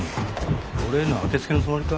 俺への当てつけのつもりか？